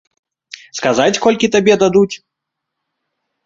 Сказаць колькі табе дадуць?